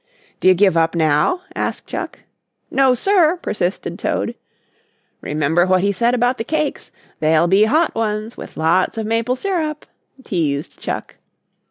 "Do you give up now?" asked Chuck. "No, sir," persisted Toad. "Remember what he said about the cakes. They'll be hot ones with lots of maple syrup," teased Chuck.